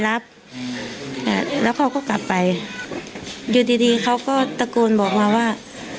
แล้วเขาก็กลับไปอยู่ดีดีเขาก็ตะโกนบอกมาว่า